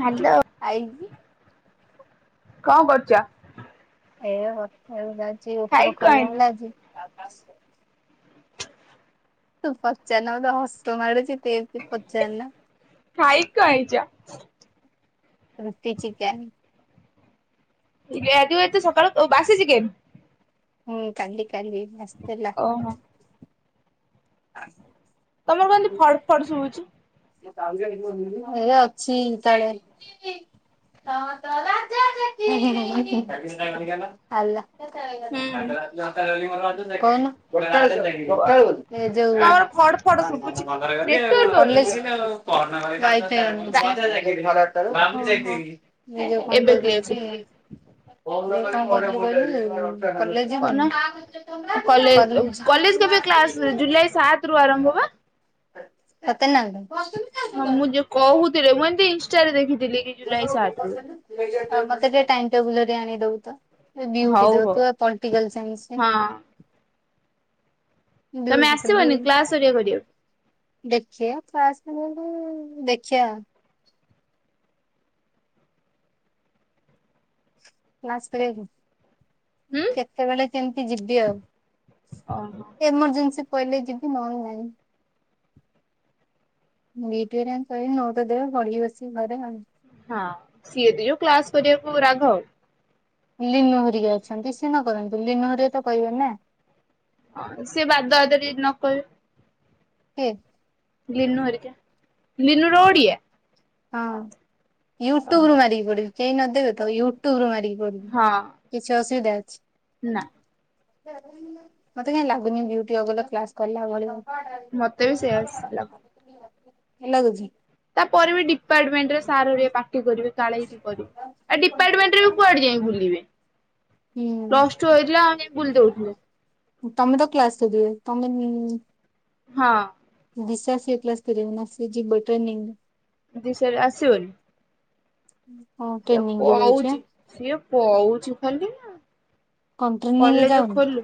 Hello [unintelligible] କଣ କରୁଚ? କଣ ଆଇଲ? [unintelligible] ତୁ ପଚାରନା ମତେ ହସ ମାଡୁଚି। ତୁ ଏମିତି ପଚାରନା। ଖାଇ। [unintelligible] ରୁଟି, ଚିକେନ୍। [unintelligible] ଏତେ ସକାଳୁ ବାସି ଚିକେନ୍। ହୁଁ କାଲିି କାଲି ଆସିଥିଲା। ଓହୋ [unintelligible] ତମର କଣ ଏମିତି ଫଡ ଫଡ ଶୁଭୁଛି? [unintelligible] ହେ ଅଛି ତାଳେ। ହାଲୋ। ହୁଁ କହୁନ। ହେ ତମର ଫଡ ଫଡ ଯୋଉ ଶୁଭୁଛି ନେଟୱାର୍କ ପାଉନି କି କଲେଜ ତମର? ରା [unintelligible] ଓହୋ ଏବେ କ୍ଲିୟର [unintelligible] ଶୁଭିଲା। କଲେଜ୍ କଣ କଲେଜ ଯିବୁନି? କଲେଜ କେବେ କ୍ଲାସ ଜୁଲାଇ ସାତ ରୁ କଲେଜ୍ [unintelligible] [unintelligible] ହଁ ମୁଁ ଯୋଉ କହୁଥିଲେ ମୁଁ ଏମିତି ଇନଷ୍ଟାରେ ଦେଖି [unintelligible] ମତେ ଟିକେ ଟାଇମ୍ ଟେବୁଲ [unintelligible] ଆଣିକିଦବୁ ତ। ବିୟୁଟି ହଉ ହଉ [unintelligible] ପଲିଟିକାଲ ସାଇନ୍ସ। ହଁ ତମେ ଆସିବନି କ୍ଲାସ୍ ହେରିଆ କରିବ। ଦେଖିଆ [unintelligible] ଦେଖିଆ। କ୍ଲାସ୍ କରିବାକୁ। ହୁଁ କେତେବେଳେ କେମିତି ଯିବି ଆଉ ଓହୋ। ଏମର୍ଜେନ୍ସି କହିଲେ ଯିବି ନହେଲେ ନାହିଁ। ବିୟୁଟି ହେରିଆଙ୍କୁ କହିବି ନୋଟ୍ ଦେବେ ପଢ଼ିବି ବସିକି ଘରେ ଆଉ। ହଁ ସିଏ ବି ଯୋଉ କ୍ଲାସ୍ କରିବାକୁ [unintelligible] ଲିନୁ ହେରିଆ ଅଛନ୍ତି ସି ନ କରନ୍ତୁ ଲିନୁ ହେରିଆ ତ କହିବେ ନାଁ। ହଁ ସେ ବାଦ ବାଦ ଯଦି ନ କହିବେ। [unintelligible] ଲିନୁ ହେରିକା ଲିନୁ ର ଓଡ଼ିଆ। ହଁ ୟୁଟ୍ୟୁବ୍ ରୁ ମାରିକି ପଢ଼ିବି କେହି ନଦେବେ ତ ୟୁଟ୍ୟୁବ୍ ରୁ ମାରି [unintelligible] ହଁ କିଛି ଅସୁବିଧା ଅଛି? ନା ମତେ କାହିଁ ଲାଗୁନି ବିୟୁଟି [unintelligible] କ୍ଲାସ୍ କରିଲା ଭଳିଆ। ମତେ ବି ସେଇଆ ଲା [unintelligible] ଲାଗୁଚି। ତା ପରେ ବି ଡିପାର୍ଟମେଣ୍ଟରେ ସାର୍ ହେରିଆ ପା କରିବେ କାଳେ କରିବେ ଆଉ ଡିପାର୍ଟମେଣ୍ଟରେ କୁଆଡ଼େ ଯାଇ ବୁଲିବେ। ହୁଁ ନଷ୍ଟ ହୋଇଥିଲା ଆମେ [unintelligible] ତମେ ତ କ୍ଲାସ୍ [unintelligible] ତମେ ହଁ। [unintelligible] [unintelligible] ଆସିବନି। ହୁଁ ସିଏ କହୁଚି ସିଏ କହୁଚି ଖାଲି ନା। କଣ ଟ୍ରେନିଂ ରେ କଲେଜ୍ ଯାଉନି ଖୋଲୁ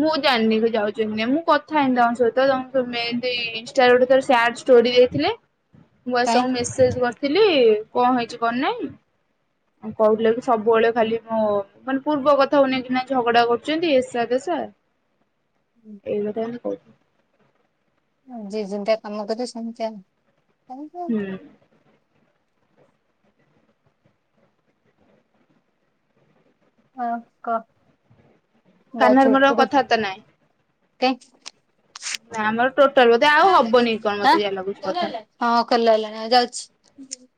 ମୁଁ ଜାଣିନି। ଯାଉଛନ୍ତି [unintelligible] ମୁଁ କଥା ହେଇନି ତାଙ୍କ ସହିତ [unintelligible] ଇନଷ୍ଟା ରେ ଗୋଟେ [unintelligible] ସ୍ୟାଡ଼ ଷ୍ଟୋରୀ ଦେଇଥିଲେ। ଛୁଆ କାଇଁ ସବୁ ମେସେଜ୍ କରିଥିଲେ କଣ ହେଇଛି କଣନାହିଁ। ଆ କହୁଥିଲେ କି ସବୁବେଳେ ଖାଲି ମୋ ମାନେ ପୂର୍ବ କଥା କୁ ନେଇକିନା ଝଗଡ଼ା କରୁଛନ୍ତି ଏସା ତେସା। ଏଇ [unintelligible] ଯିଏ ଯେମିତି କା କାମ କରେ ସେମିତିଆ ପାଇବ। ହୁଁ ହଁ କ କାହ୍ନାର ମୋର କଥାବାର୍ତ୍ତା [unintelligible] [unintelligible] ନା ଆମର ଟୋଟାଲ ବୋଧେ ଆଉ ହବନି କଣ [unintelligible] ମତେ ଯାହା ଲାଗୁଛି ହଁ କଥା [unintelligible] ହେଲାଣି ଯାଉଚି।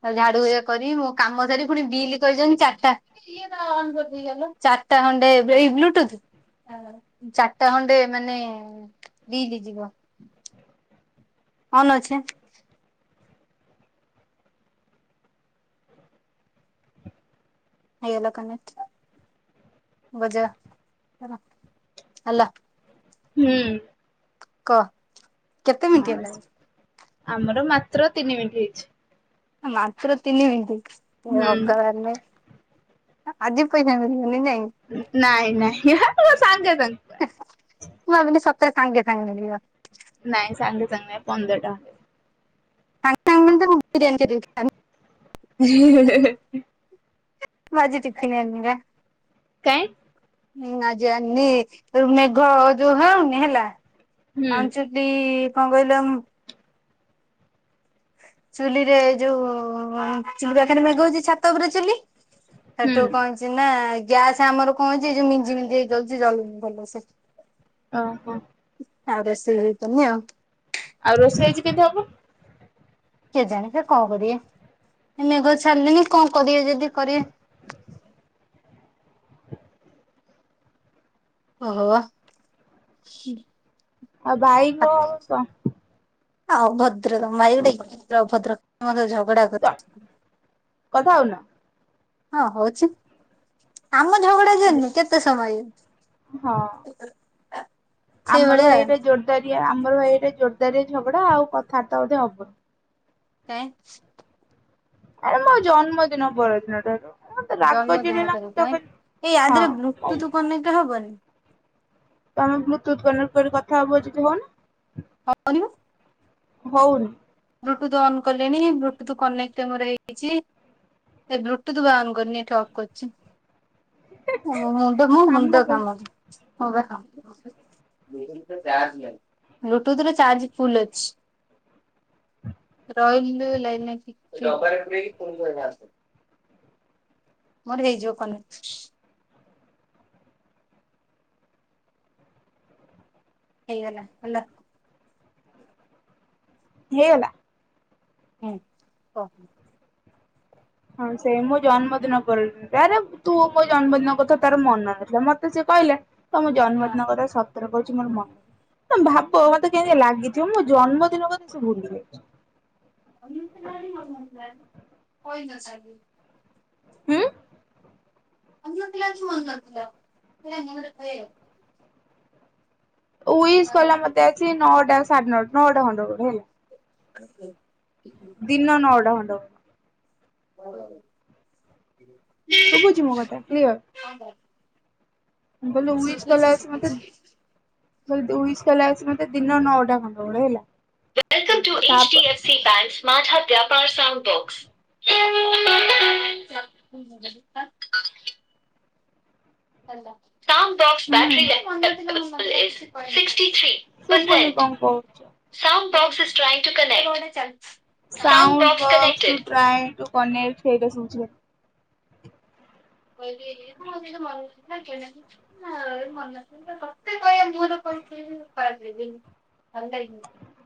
ଆଉ ଝାଡ଼ୁ କରିବି ମୋ କାମ ସାରି ପୁଣି ବିଲ୍ କହିଛନ୍ତି ଚାରିଟା [unintelligible] ଚାରିଟା। [unintelligible] ବ୍ଲୁତୁଥ୍। ଚାରିଟା ଖଣ୍ଡେ ମାନେ [unintelligible] ଯିବ। ଅନ୍ ଅଛି ଆଁ। [unintelligible] [unintelligible] ହେଲା। ହୁଁ। କହ କେତେ ମିନିଟ୍ ହେଲାଣି? ଆମର ମାତ୍ର ତିନି ମିନିଟ୍ ହେଇଚି। ମାତ୍ର ତିନି ମିନିଟ୍ ହୁଁ ଭଗବାନେ। ଆଜି ପଇସା ମିଳିବନି ନାଇଁ? ମୁଁ ନାଇଁ ନାଇଁ [unintelligible] ସାଙ୍ଗେ ସାଙ୍ଗେ। ଭାବିଲି ସାଙ୍ଗେ ସାଙ୍ଗେ ମିଳିବନି। ପନ୍ଦର ଟା। [unintelligible] [unintelligible] ମୁଁ ଆଜି ଟିଫିନ୍ ଆଣିନି ପା। କାଇଁ? ହୁଁ ଆଜି ଆଣିନି ମେଘ ଯୋଉ ହଉନି ହେଲା। ହୁଁ ଆମଞ୍ଚଲି ପ କହିଲମ୍। ଚୁଲିରେ ଯୋଉ ଚୁଲି ପାଖରେ ମେଘ ହଉଛି ଛାତ ଉପରେ ଚୁଲି ହୁଁ ସେଠୁ କଣ ହେଇଚି ନା। ଗ୍ୟାସ ଆମର କଣ ହେଇଚି ଏ ଯୋଉ ମିଞ୍ଜି ମଞ୍ଜି ହେଇାଉଛି ଜଳୁନି ଭଲ ସେ। ଓ ହୋ। ଆଉ [unintelligible] ଆଉ। ଆଉ ରୋଷେଇ ଆଜି କେମତି ହବ? କେଜନି ସେ କଣ କରିବେ? ମେଘ ଛାଡ଼ିଲେଣିି କଣ କରିବେ ଯଦି କରିବେ। ଓହବ। ଆ ଭାଇ କଣ [inaudible] ଅଭଦ୍ର ମ ଗୋଟେ ଭଦ୍ର ଅଭଦ୍ରକେ ଝଗଡା କରିଚି। କଥା ହଉନ ହଁ ହଉଛି ଆମ ଝଗଡା ଜନୁ କେତେ ସମୟ ୟେ। ହଁ ଆମର ସେଇଭଳିଆ ଏଇଟା ଭାଇ ଜୋରଦାର ଆମର ଭାଇ ଏଇଟା ଜୋରଦାରିଆ ଝଗଡା ଆଉ କଥାବାର୍ତ୍ତା ବୋଧେ ହବନି। କାଇଁ? ଆରେ ମୋ ଜନ୍ମଦିନ ପରଦିନ ଠାରୁ ଠୁ। ଜନ୍ମଦିନ ଠାରୁ କାଇଁ ଏଇ ଆ ଦେହରେ ହଁ ବ୍ଲୁଟୁଥ୍ କନେକ୍ଟ ହବନି? ତମେ ବ୍ଲୁତୁତ୍ କନେକ୍ଟ କରି କଥା ହବ ଯଦି ହଉନ। [unintelligible] ହଉନି। ବ୍ଲୁଟୁଥ୍ ଅନ୍ କଲେଣି ବ୍ଲୁଟୁଥ କନେକ୍ଟମର ହେଇଛି। ଏ ବ୍ଲୁଟୁଥ ବା ଅନ୍ କରନି ଏଠି ଅଫ୍ କରଛି। ମୁଣ୍ଡ ମୁଁ ମୁଣ୍ଡ କାମ ହଁ ପା। ବୁ [inaudible] ଚାର୍ଜ ନାହିଁ। ବ୍ଲୁଟୁଥ୍ ରେ ଚାର୍ଜ ଫୁଲ୍ ଅଛି। ରହିଲୁ ଲାଇନ୍ ରେ ଟିକେ। ମୋର ହେଇଯିବ କନେକ୍ଟ୍। ହେଇଗଲା ହେଲା। ହେଇଗଲା। ହୁଁ। କ। ହଁ ସେ ମୋ ଜନ୍ମଦିନ ପର ଠୁ ଆରେ ତୁ ମୋ ଜନ୍ମଦିନ କଥା ତାର ମନ ନଥିଲା ମତେ ସେ କ୍ କହିଲା ତମ ହଁ। ଜନ୍ମଦିନ କଥା ସତରେ କହୁଛି ମୋର ମନ ତମେ ଭାବ ମତେ କେମତି ଲାଗିଥିବ ମୋ ଜନ୍ମଦିନ କଥା ସେ ଭୁଲି ଯାଇଛି। [inaudible] ହୁଁ? ମନ୍ ନଥିଲା ଯଦି ମନ୍ ନଥିଲା [unintelligible] ଉଇସ୍ କଲା ମତେ ଆସି ନଅଟା ସାଢେ ନଅଟା- ନଅଟା ଖଣ୍ଡେ ବେଳକୁ ହେଲା। [inaudible] ଦିନ ନ ଟା ଖଣ୍ଡେ ବେଳକୁ। [inaudible] ଶୁଭୁଛି ମୋ କଥା କ୍ଲିୟର? ମୁଁ କଲି ୱିଶ କଲା ଆସି ମତେ ବସ୍ ୱିସ କଲା ଆସି ମତେ ଦିନ ନଅଟା ବେଳେ ହେଲ। Welcome to H D F C bank smart heart ବ୍ୟାପାର୍ sound box. [unintelligible] ହୁଁ ହାଲୋ। ସୁବୁନି କଁ କୋହୁଚ। Boxes trying to connect sound box to try to connect ସେଇଡ଼ା ଶୁବୁଚି ଖାଲି। [unintelligible] [unintelligible]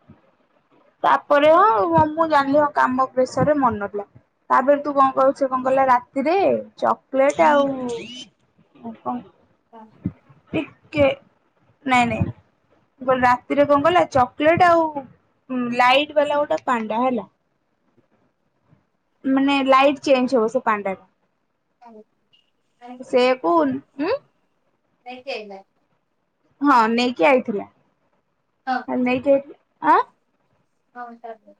ତାପରେ ହଁ ଆଉ ମୁଁ ଜାଣିଲି ହଁ କାମ ପ୍ରେସରେ ମନ ନଥିଲା। ତାପରେ ତୁ କଁ କହିବୁ ସିଏ କଁ କଲା ରାତିରେ ଚକ୍ଲେଟ୍ ଆଉ [unintelligible] [unintelligible] ଟିକେ ନାଇଁ ନାଇଁ ମୁଁ କହିଲି ରାତିରେ କଁ କଲା ଚକ୍ଲେଟ ଆଉ ହୁଁ ଲାଇଟ୍ ବାଲା ଗୋଟେ ପାଣ୍ଡା ହେଲା। ମାନେ ଲାଇଟ୍ ଚେଞ୍ଜ ହବ ସେ ପାଣ୍ଡାଟା ତ ସେଇଆ କୁ ନୁ ନେଇକି ଆଇଲା। ହଁ ନେଇକି ଆଇଥିଲା ଆ ନେଇକି ଆଇଥିଲା ଆଁ ହଁ ତାପରେ।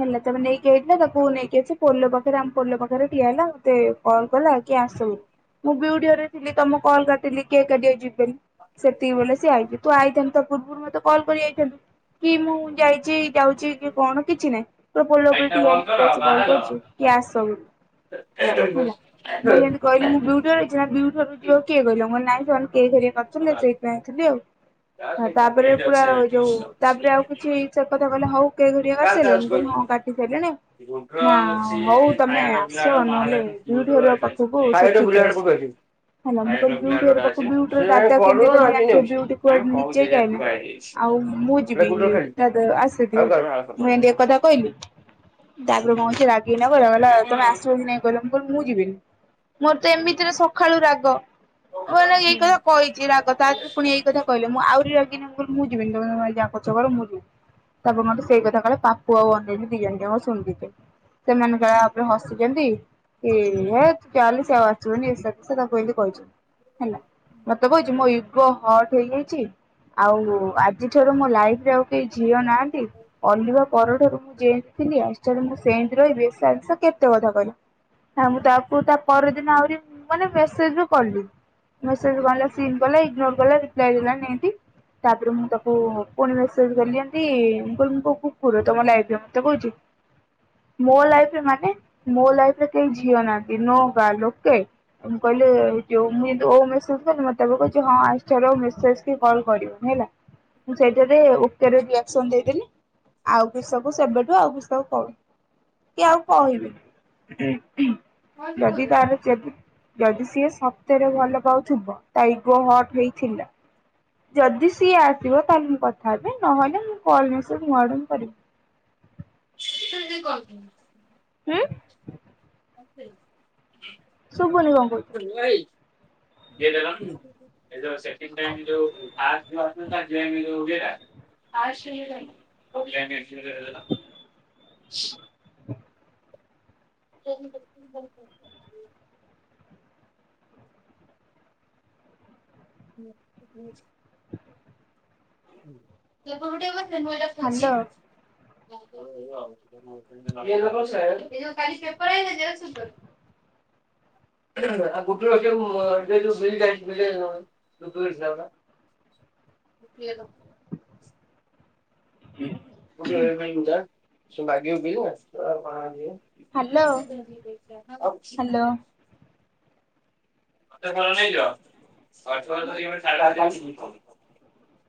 ହେଲା ତାପରେ ନେଇକି ଆଇଥିଲା ତାକୁ ନେଇକି ଆସି ପୋଲୋ ପାଖେରେ ଆମ ପୋଲୋ ପାଖେରେ ଠିଆ ହେଲା ମୋତେ କଲ୍ କଲା କି ଆସ ବୋଲି ମୁଁ ବିୟୁଟି ଘରେ ଥିଲି ତ ମୁଁ କଲ୍ କାଟିଲି କେକ୍ କାଟି ଆଇଚି ସେତିକି ବଲେ ସିଏ ଆଇଲେ। ତୁ ଆଇଥାନ୍ତୁ ତା ପୂର୍ବରୁ ମତେ କଲ୍ କରି ଆଇଥାନ୍ତୁ। କି ମୁଁ ଯାଇଚି ଯାଉଚି କି କଣ ନାଇଁ ତ ପୋଲୋ ଉପରେ ଠିଆ ହେଇ ବନ୍ଦ ମୋତେ କର ଆସି କଲ୍ କରୁଚି କି ଆସ ବୋଲି। ହେଲା ମୁଁ ଯେନ୍ତି କହିଲି ମୁଁ ବିୟୁଟି ଘର ଆଇଚି। ନା ବିୟୁଟି ଘରକୁ ଯିବାକୁ କିଏ କହିଲା। ମୁଁ କହିଲି ନାଇଁ ସେମାନେ କେକ ହାରିକା କରିଥୁଲେ ସେଇଥିପାଇଁ ଆଇଥିଲି ବାହାର। ଆଉ। ହଁ ତାପରେ ପୁରା ଏଇ ଯୋଉ ତାପରେ ଆଉ କିଛି ସେ କଥା କହିଲା ହୋଉ କେକ ହେରିକା କା ସାଇଲୁଣୁ ମୁଁ କହିଲି ହଁ ଗୁଣ୍ଟୁର କାଟି ସାଇଲିଣି। ନାଁ ଅଛି ହୋଉ ତମେ ସାଇଟ ଆସ ପିଲାର ନହେଲେ ମହାଲକ୍ଷ୍ମୀ ବିୟୁଟି ଗୁଣ୍ଟୁର ଘରୁଆ ଏଠି ପାଖକୁ ଅଛି। ସାଇଟ ସେଠିକି ବୁଲାଟ ଆସ। ପକାଉଛି। ହେଲା ମୁଁ ସାଇଟ କହିଲି ପିଲା ବିୟୁଟି ଘର ଗୋଟେ ପାଖକୁ ଅଛି। ବିୟୁ ର ସେ ଦାଦା କଣ କେମିତିଆ ତମେ ଆଜି ଜାଣିଥିବ। ନେଉଛି। ବିୟୁଟି ଆମେ କୁଆଡେ ନିଜେ କହୁଛେ ଯେ ଯାଏନା ଥୁଆ ହେଇଯାଇଛି। ଆଉ ମୁଁ ଏଇଟା ଯିବି ଗୁଟର ତା ଦା [unintelligible] ମୁଁ ଏନ୍ତି ଏକଥା କହିଲି ତାପରେ କଁ ହେଇଚି ରାଗିକିନା କହିଲା କହିଲା ତମେ ଆଉ ଆସିବ କି ନାଇଁ କହିଲ। କଲ୍ ମୁଁ ଯିବିନି ମୋରୋ ତ ଏମିତିରେ ସଖାଳୁ ରାଗ। ମାନେ ଏଇ କଥା କହିଚି ରାଗ ତାଥିରେ ପୁଣି ଏଇ କଥା କହିଲେ ମୁଁ ଆହୁରି ରା ଏଇନା ମୁଁ କହିଲି ମୁଁ ଯିବିନି ତମେ ତମର ଯାହା କରୁଚ କର ମୁଁ ଯିବିନି। ତାପରେ ମୋତେ ସେଇ କଥା କଲେ ପାପୁ ଆଉ ଅନିଲି ଦି ଜଣ ଯାକ ଶୁଣି ଦେଇଥିଲେ ସେମାନେ ତାଉପରେ ହସିଚନ୍ତି। କି ହେତ୍ ଚାଲେ ସିଏ ଆଉ ଆସିବନି ଏସା ତେସା ତାକୁ ଏନ୍ତି କହିଛନ୍ତି। ହେଲା ମତେ କହିଚି ମୋ ୟ ଇଗୋ ହଟ୍ ହେଇଯାଇଛି। ଆଉ ଆଜି ଠାରୁ ମୋ ଲାଇଫରେ ଆଉ କେହି ଝିଅ ନାହାନ୍ତି। ତୋ ପରଠାରୁ ମୁଁ ଜେନ୍ତି ଥିଲି। ଆଜିଠାରୁ ମୁଁ ସେନ୍ତି ରହିବି ଏସା ତେସା କେତେ କଥା କହିଲା। ହାଁ ମୁଁ ତାକୁ ତାପରଦିନ ଆହୁରି ମାନେ ମେସେଜ ବି କଲି। ମେସେଜ ଗଲା ସିନ୍ କଲା ଇଗ୍ନୋର୍ କଲା ରିପ୍ଲାଏ ଦେଲାନି ଏନ୍ତି। ତାପରେ ମୁଁ ତାକୁ ପୁଣି ମେସେଜ କଲି ଏନ୍ତି ମୁଁ କହିଲି ମୁଁ କ କୁକୁର ତମ ଲାଇଫରେ ମତେ କୋହୁଚି। ମୋ ଲାଇଫରେ ମାନେ ମୋ ଲାଇଫରେ କେହି ଝିଅ ନାହାନ୍ତି ନୋ ଗାର୍ଲ୍ ଓକେ। ମୁଁ କହିଲି ଯୋଉ ମୁଁ ଏନ୍ତି ହୋଉ ମେସେଜ କଲି ମତେ ତାପରେ କୋହୁଚି ହଁ ଆଜି ଠାରୁ ଆଉ ମେସେଜ କି କଲ୍ କରିବନି ହେଲା। ମୁଁ ସେଇଟାରେ ଓକେର ରିଆକ୍ସନ୍ ଦେଇଦେଲି। ଆଉ ବି ସବୁ ସେବେଠୁ ଆଉ କି ସବୁ ପ କି ଆଉ କହିବିନି। ଯଦି ତାର ଚେ ଯଦି ସିଏ ସତରେ ଭଲ ପାଉଥୁବ ତା ଇଗୋ ହଟ୍ ହେଇଥିଲା ଯଦି ସିଏ ଆସିବ ତାହେଲେ ମୁଁ କଥା ହେବି, ନହେଲେ ମୁଁ କଲ୍ ମେସେଜ୍ ମୋ ଆଡୁ କରିବି। [unintelligible] ହୁଁ ଅ ଶୁଭୁନି କଣ କହୁଛୁ? [unintelligible] [unintelligible] [inaudible] ହଁ [inaudible] ସେ [unintelligible] ହୁଁ [unintelligible] [unintelligible] ମୁଁ ଏଟା ପୋଛି। ହାଲୋ [inaudible] [unintelligible] କାଲି ପେପର ଆଇଲା ଜେରକ୍ସ ପେପର। ହ [unintelligible] [unintelligible] ଟିକିଏ ରହ। [unintelligible] ସିଏ ମାଗିବ ବିଲନା [unintelligible] ଖରାପ ହାଲୋ ଭାବିବେ। ହାଲୋ। [unintelligible] [inaudible] [unintelligible]